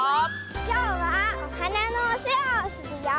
きょうはおはなのおせわをするよ！